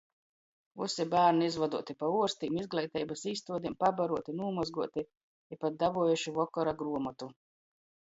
Vysi bārni izvoduoti pa uorstim, izgleiteibys īstuodem, pabaruoti, nūmozguoti i pat dabuojuši vokora gruomotu.